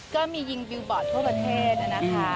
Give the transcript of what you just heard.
ก็มียิงบิลบอร์ดทั่วประเทศนะคะ